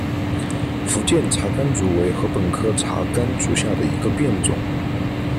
福建茶竿竹为禾本科茶秆竹属下的一个变种。